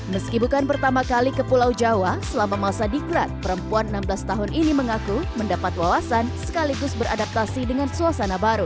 meski bukan pertama kali ke pulau jawa selama masa diklat perempuan enam belas tahun ini mengaku mendapat wawasan sekaligus beradaptasi dengan suasana baru